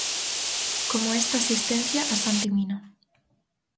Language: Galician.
Como esta asistencia a Santi Mina.